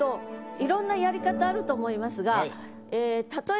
いろんなやり方あると思いますがええ